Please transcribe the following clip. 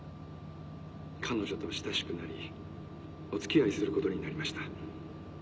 彼女と親しくなりお付き合いすることになりました。